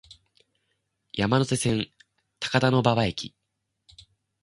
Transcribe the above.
山手線、高田馬場駅